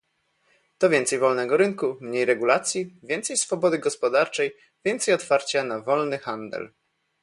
To więcej wolnego rynku, mniej regulacji, więcej swobody gospodarczej, więcej otwarcia na wolny handel